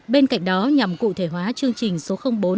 bên cạnh đó nhằm cụ thể hóa chương trình số bốn